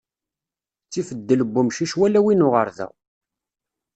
Ttif ddel n wumcic, wala win uɣerda.